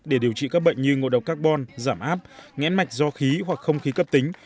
để điều trị các bệnh như ngộ độc carbon giảm áp nghẽn mạch do khí hoặc không khí cấp tính